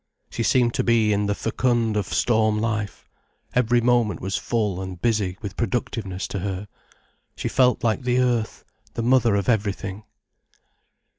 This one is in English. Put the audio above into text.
She seemed to be in the fecund of storm life, every moment was full and busy with productiveness to her. She felt like the earth, the mother of everything.